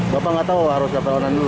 bapak nggak tahu harus dapet online dulu